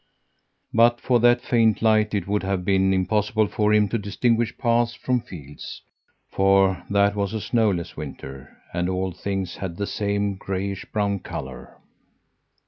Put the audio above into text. But for that faint light it would have been impossible for him to distinguish paths from fields, for that was a snowless winter, and all things had the same grayish brown colour.